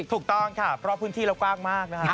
ถูกต้องค่ะเพราะพื้นที่เรากว้างมากนะคะ